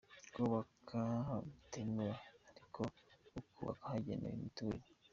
Kubaka biremewe ariko ukubaka ahagenewe imiturire.